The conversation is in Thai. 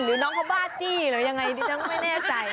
น้องเขาบ้าจี้หรือยังไงดิฉันไม่แน่ใจ